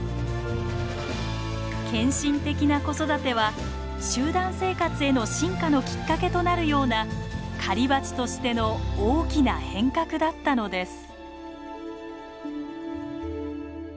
献身的な子育ては集団生活への進化のきっかけとなるような狩りバチとしての大きな変革だったのです。